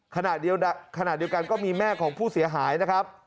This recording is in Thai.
ขณะเดียวกันก็มีแม่ของผู้เสียหายนะครับ